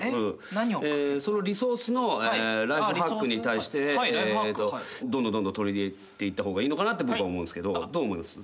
そのリソースのライフハックに対してどんどんどんどん取り入れていった方がいいと僕は思うんですけどどう思います？